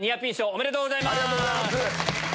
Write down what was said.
ありがとうございます。